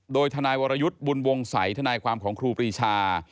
โดยทนายวรยุทธ์บุญวงศัยทนายความของครูปรีชา